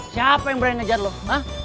siapa yang berani ngejar lo hah